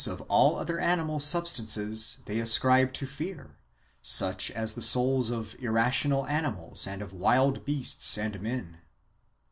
23 of all the other animal substances they ascribe to fear, such as the souls of irrational animals, and of wild beasts, and men.